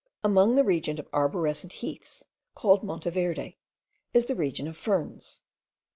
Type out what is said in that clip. Above the region of arborescent heaths, called Monte Verde, is the region of ferns.